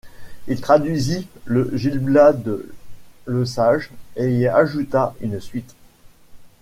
Il traduisit le Gil Blas de Lesage et y ajouta une suite.